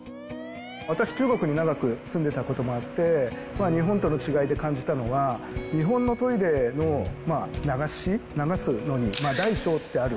私、中国に長く住んでたこともあって、日本との違いで感じたのは、日本のトイレの流し、流すのに大、小ってある。